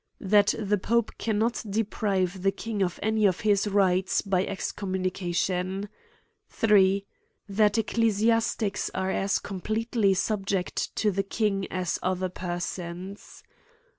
That the pope cannot deprive the king of any of his rights, by excommunication. 3. That ecclesiastics are as completely sub ject to the king, as other persons.